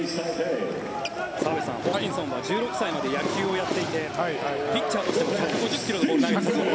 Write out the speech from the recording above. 澤部さん、ホーキンソンは１６歳まで野球をやっていてピッチャーとしても１５０ｋｍのボールを投げていたそうです。